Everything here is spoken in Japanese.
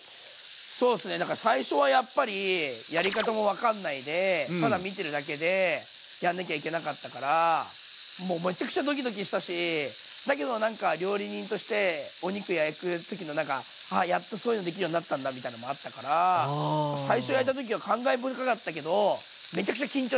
そうすねだから最初はやっぱりやり方も分かんないでただ見てるだけでやんなきゃいけなかったからもうめちゃくちゃドキドキしたしだけどなんか料理人としてお肉焼く時のなんかあやっとそういうのできるようになったんだみたいのもあったから最初焼いた時は感慨深かったけどめちゃくちゃ緊張したね。